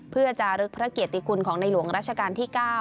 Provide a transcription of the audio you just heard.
เพื่อจะรึกพระเกียรติคุณของในหลวงราชการที่๙